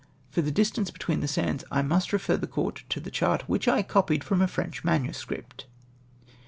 For the distance hetween the sands I must refer the court to a chart tvhich I copied from a French manuscript